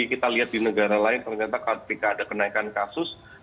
kita lihat di negara lain ternyata ketika ada kenaikan kasus